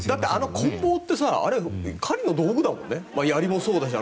こん棒って狩りの道具だもんね。